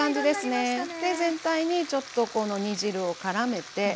で全体にちょっとこの煮汁をからめて。